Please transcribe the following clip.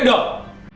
thế thì đánh được